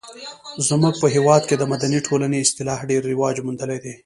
زموږ په هېواد کې د مدني ټولنې اصطلاح ډیر رواج موندلی دی.